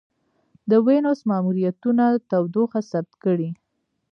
د وینوس ماموریتونه تودوخه ثبت کړې.